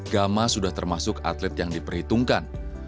gama sudah termasuk atlet yang diperhitungkan